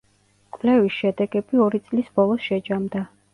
კვლევის შედეგები ორი წლის ბოლოს შეჯამდა.